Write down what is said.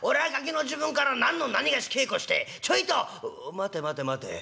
「待て待て待て。